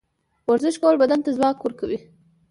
ورزش کول بدن ته ځواک ورکوي.